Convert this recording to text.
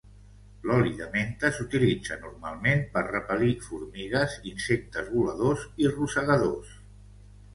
L'oli de menta s'utilitza normalment per repel·lir formigues, insectes voladors i rosegadors.